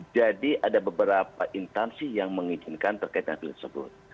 jadi ada beberapa intansi yang mengizinkan terkait dengan hal tersebut